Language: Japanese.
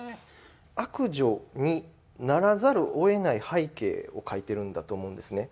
悪女にならざるを得ない背景を描いてるんだと思うんですね。